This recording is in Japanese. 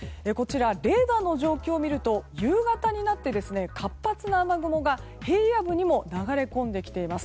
レーダーの状況を見ると夕方になって活発な雨雲が平野部にも流れ込んできています。